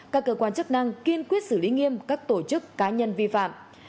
các cơ quan chức năng kiên quyết xử lý nghiêm các tổ chức cá nhân vi phạm